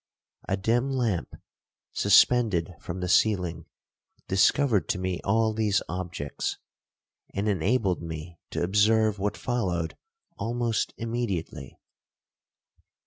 A dim lamp, suspended from the ceiling, discovered to me all these objects, and enabled me to observe what followed almost immediately.